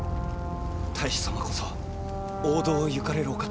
太守様こそ王道を行かれるお方。